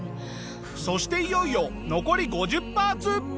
そしていよいよ残り５０パーツ！